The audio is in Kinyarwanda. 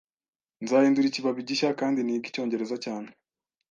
Nzahindura ikibabi gishya kandi nige Icyongereza cyane